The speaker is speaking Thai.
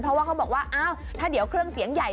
เพราะว่าเขาบอกว่าอ้าวถ้าเดี๋ยวเครื่องเสียงใหญ่